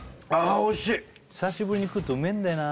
久しぶりに食うとうめえんだよな